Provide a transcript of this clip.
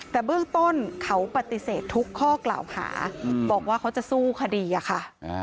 แต่เบื้องต้นเขาปฏิเสธทุกข้อกล่าวหาบอกว่าเขาจะสู้คดีอะค่ะ